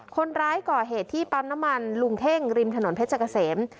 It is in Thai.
คนร้ายก่อเหตุที่ปั๊มน้ำมันลุงเท่งริมถนนเพชรเกษม